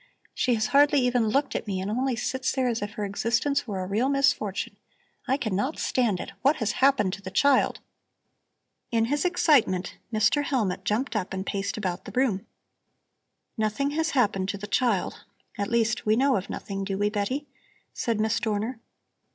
She has hardly even looked at me and only sits there as if her existence were a real misfortune I cannot stand it. What has happened to the child?" In his excitement Mr. Hellmut jumped up and paced about the room. "Nothing has happened to the child; at least, we know of nothing, do we, Betty?" said Miss Dorner.